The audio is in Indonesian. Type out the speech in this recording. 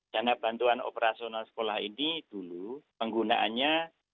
dana bantuan operasional sekolah ini dulu penggunaannya